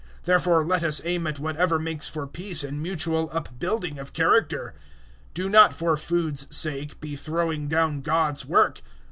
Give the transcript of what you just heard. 014:019 Therefore let us aim at whatever makes for peace and mutual upbuilding of character. 014:020 Do not for food's sake be throwing down God's work.